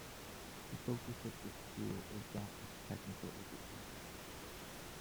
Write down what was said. The focus of the school is that of technical education.